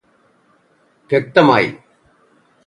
വ്യക്തമായി